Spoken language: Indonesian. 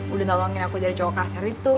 udah nolongin aku jadi cowok kasar itu